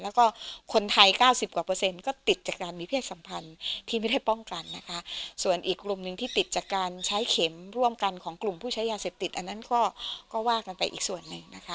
แล้วก็คนไทยเก้าสิบกว่าเปอร์เซ็นต์ก็ติดจากการมีเพศสัมพันธ์ที่ไม่ได้ป้องกันนะคะส่วนอีกกลุ่มหนึ่งที่ติดจากการใช้เข็มร่วมกันของกลุ่มผู้ใช้ยาเสพติดอันนั้นก็ก็ว่ากันไปอีกส่วนหนึ่งนะคะ